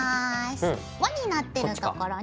わになってるところに。